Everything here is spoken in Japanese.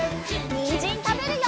にんじんたべるよ！